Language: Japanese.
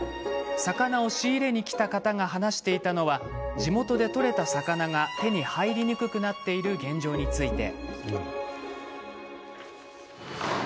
魚を仕入れに来た方が話していたのは地元で取れた魚が手に入りにくくなっている現状について。